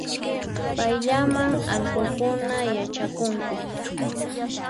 Payllaman allqunkuna yachakunku